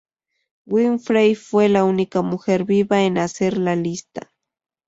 Winfrey fue la única mujer viva en hacer la lista.